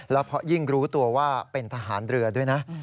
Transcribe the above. แล้วเพราะยิ่งรู้ตัวว่าเป็นทหารเรือด้วยนะ